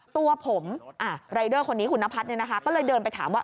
ตัวผมรายเดอร์คนนี้คุณนพัฒน์ก็เลยเดินไปถามว่า